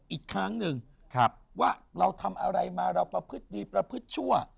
อีกครั้งหนึ่งว่าเราทำอะไรมาเราประพฤติดีประพฤติชั่ว